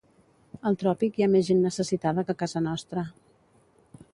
Al tròpic hi ha més gent necessitada que a casa nostra.